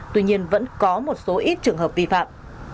tuy nhiên vẫn có một số ít trường hợp vi phạm